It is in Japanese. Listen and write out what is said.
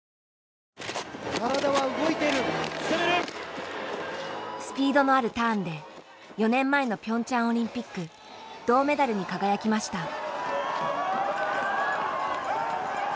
スピードのあるターンで４年前のピョンチャンオリンピック銅メダルに輝きました。